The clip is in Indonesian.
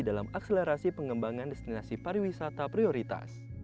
dalam akselerasi pengembangan destinasi pariwisata prioritas